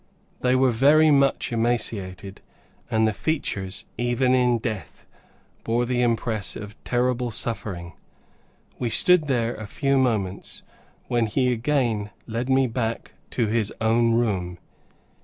They were very much emaciated, and the features, even in death, bore the impress of terrible suffering. We stood there a few moments, when he again led me back to his own room.